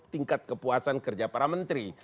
tingkat kepuasan kerja para menteri